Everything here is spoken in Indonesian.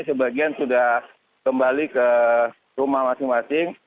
sebagian sudah kembali ke rumah masing masing